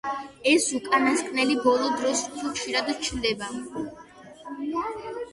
ეს უკანასკნელი ბოლო დროს უფრო ხშირად ჩნდება.